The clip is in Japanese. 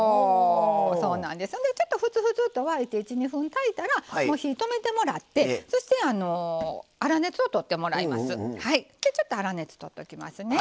ちょっと、ふつふつと沸いて１２分、炊いたら火を止めてもらってそして粗熱をとってもらいます。